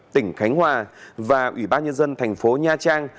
tỉnh khánh hòa và ủy ban nhân dân thành phố nha trang